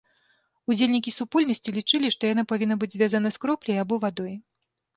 Удзельнікі супольнасці лічылі, што яна павінна быць звязана з кропляй або вадой.